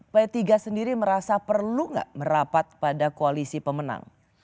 p tiga sendiri merasa perlu nggak merapat pada koalisi pemenang